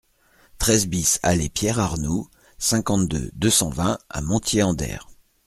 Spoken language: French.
treize BIS allée Pierre Arnoult, cinquante-deux, deux cent vingt à Montier-en-Der